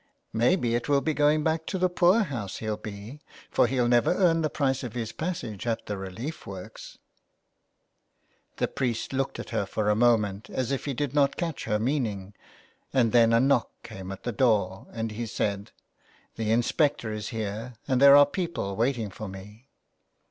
" Maybe it will be going back to the poor house he'll be, for he'll never earn the price of his passage at the relief works." The priest looked at her for a moment as if he did not catch her meaning, and then a knock came at the door, and he said :—" The inspector is here, and there are people waiting for me." 177 M A LETTER TO ROME.